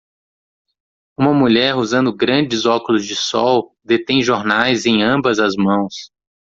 Uma mulher usando grandes óculos de sol detém jornais em ambas as mãos.